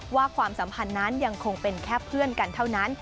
ความสัมพันธ์นั้นยังคงเป็นแค่เพื่อนกันเท่านั้น